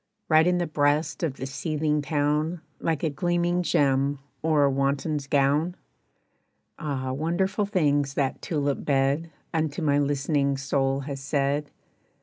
Right in the breast of the seething town Like a gleaming gem or a wanton's gown? Ah, wonderful things that tulip bed Unto my listening soul has said.